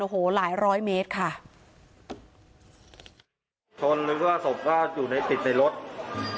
โอ้โหหลายร้อยเมตรค่ะชนนึกว่าศพก็อยู่ในติดในรถอืม